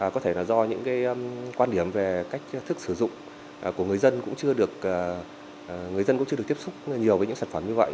có thể là do những quan điểm về cách thức sử dụng của người dân cũng chưa được tiếp xúc nhiều với những sản phẩm như vậy